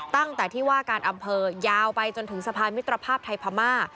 ตั้งแต่ที่ว่าการอำเภอยาวไปจนถึงสะพานมิตรภาพไทยพม่า